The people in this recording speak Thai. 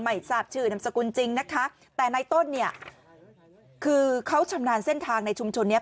ไม่ทราบชื่อนามสกุลจริงนะคะแต่ในต้นเนี่ยคือเขาชำนาญเส้นทางในชุมชนเนี้ย